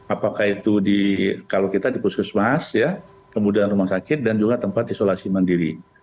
apakah itu kalau kita di puskesmas kemudian rumah sakit dan juga tempat isolasi mandiri